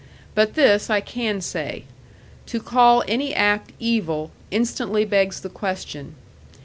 But this I can say: to call any act evil, instantly begs the question.